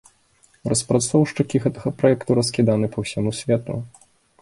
Распрацоўшчыкі гэтага праекту раскіданы па ўсяму свету.